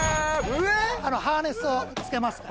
ハーネスをつけます。